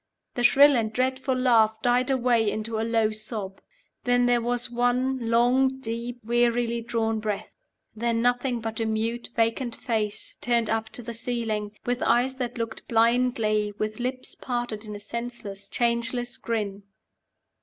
The shrill and dreadful laugh died away into a low sob. Then there was one long, deep, wearily drawn breath. Then nothing but a mute, vacant face turned up to the ceiling, with eyes that looked blindly, with lips parted in a senseless, changeless grin.